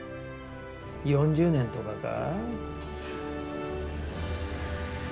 ４０年とかか？